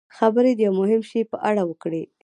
خبرې د یوه مهم شي په اړه وکړي.